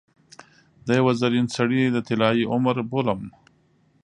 د یوه زرین سړي د طلايي عمر بولم.